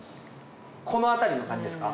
この辺りの感じですか？